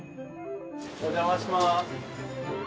お邪魔します。